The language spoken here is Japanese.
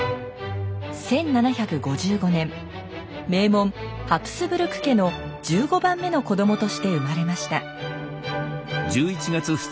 １７５５年名門ハプスブルク家の１５番目の子どもとして生まれました。